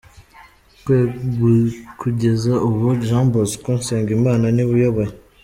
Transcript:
Kugeza ubu, Jean Bosco Nsengimana niwe uyoboye.